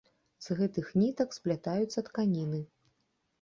З гэтых нітак сплятаюцца тканіны.